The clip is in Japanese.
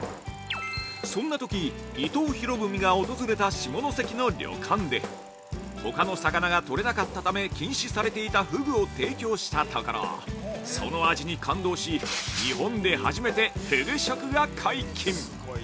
そんなとき、伊藤博文が訪れた下関の旅館でほかの魚が取れなかったため禁止されていたふぐを提供したところその味に感動し日本で初めて、ふぐ食が解禁。